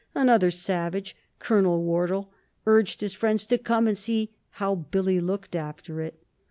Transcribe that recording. Another savage, Colonel Wardle, urged his friends to come and see "how Billy looked after it."